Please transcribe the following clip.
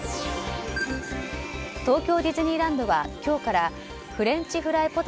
東京ディズニーランドは今日からフレンチフライ